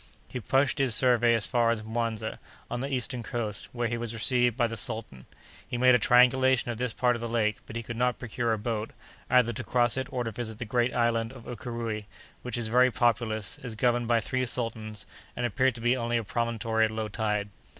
He pushed his survey as far as Muanza, on the eastern coast, where he was received by the sultan. He made a triangulation of this part of the lake, but he could not procure a boat, either to cross it or to visit the great island of Ukéréoué which is very populous, is governed by three sultans, and appears to be only a promontory at low tide.